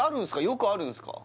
よくあるんですか？